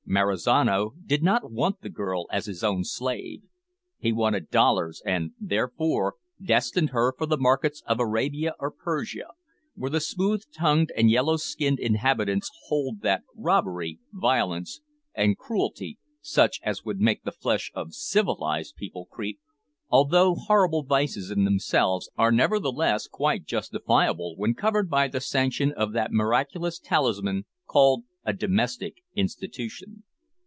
Marizano did not want the girl as his own slave. He wanted dollars, and, therefore, destined her for the markets of Arabia or Persia, where the smooth tongued and yellow skinned inhabitants hold that robbery, violence, and cruelty, such as would make the flesh of civilised people creep, although horrible vices in themselves, are nevertheless, quite justifiable when covered by the sanction of that miraculous talisman called a "domestic institution."